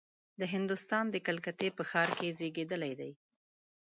د هندوستان د کلکتې په ښار کې زېږېدلی دی.